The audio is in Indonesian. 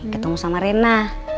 ketemu sama rena